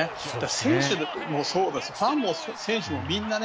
選手もそうだしファンも選手もみんなね。